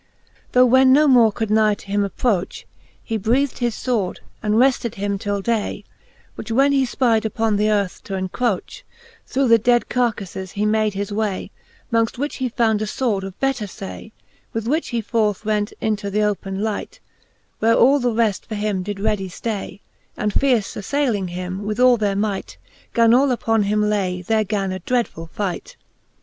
Tho when no more could nigh to him approch, . He breath'd his fword, and refted him till day : Which when he fpyde upon the earth t'encroch,, Through the dead carcafes; he made his way ; Mongft which he found a fword of better fay, . With which he forth went into th' open light : Where all the refl; for him did readie flay, And fierce aflayling him, with all their might: Gan all upon him lay : there gan a dreadfull fight,. XLVIII. How ^8a ^Toe ftxthe Booke of Canto XI.